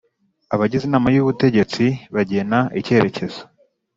Abagize inama y ubutegetsi bagena icyerekezo